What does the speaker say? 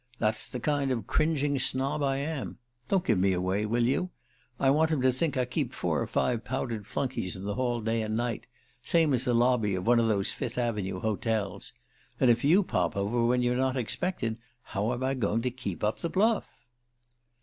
That's the kind of cringing snob I am. Don't give me away, will you? I want 'em to think I keep four or five powdered flunkeys in the hall day and night same as the lobby of one of those Fifth Avenue hotels. And if you pop over when you're not expected, how am I going to keep up the bluff?"